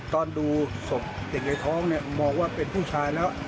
ตอนดูศพเด็กในท้องเนี่ยมองว่าเป็นผู้ชายแล้ว